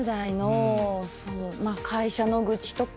まあ会社の愚痴とか。